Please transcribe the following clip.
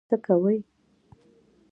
څه کوې؟